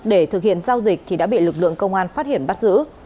để thực hiện giao dịch thì đã bị lực lượng công an phát hiện bắt giữ